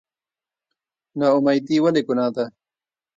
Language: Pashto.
نااميدي ولې ګناه ده؟